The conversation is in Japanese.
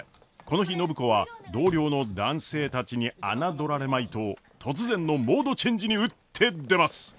この日暢子は同僚の男性たちに侮られまいと突然のモードチェンジに打って出ます。